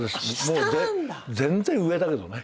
全然上だけどね。